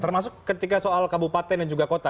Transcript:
termasuk ketika soal kabupaten dan juga kota